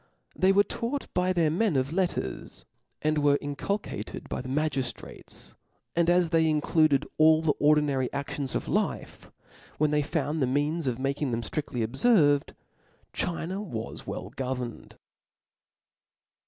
They were taught by their men of letters, they were inculcated by the magiftrates % and as they included all the ordinary actions of life, when they found the means of making them ftriftly obferVed, China was well governed.